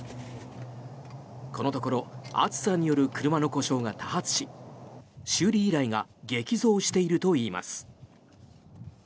このところ暑さによる車の故障が多発し修理依頼が激増しているといいます。